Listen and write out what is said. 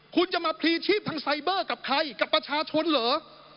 คุณจะมาพลีชีพทางไซเบอร์กับใครกับประชาชนเหรอ